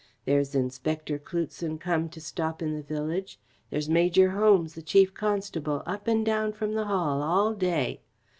There's Inspector Cloutson come to stop in the village. There's Major Holmes, the Chief Constable, up and down from the Hall all day.